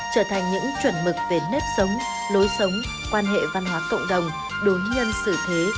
trở thành những chuẩn mực về nếp sống lối sống quan hệ văn hóa cộng đồng đối nhân xử thế